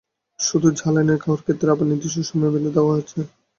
শুধু ঝালই নয়, খাওয়ার ক্ষেত্রে আবার নির্দিষ্ট সময়ও বেঁধে দেওয়া আছে।